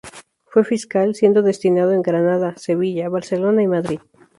Fue fiscal, siendo destinado en Granada, Sevilla, Barcelona y Madrid.